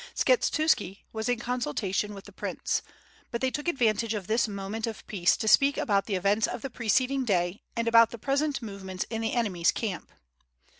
Skshetuski was in consultation with the prince; but they took advantage of this moment of peace to speak about the events of the preceding day and about the present movements in the enemy's camp.